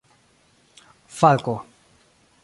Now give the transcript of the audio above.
falko